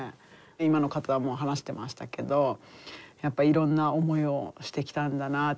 今の方も話してましたけどやっぱいろんな思いをしてきたんだなあって。